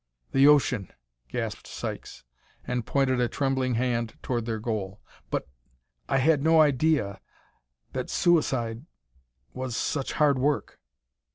"The ocean!" gasped Sykes, and pointed a trembling hand toward their goal. "But I had no idea that suicide was such hard work!"